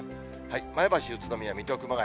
前橋、宇都宮、水戸、熊谷。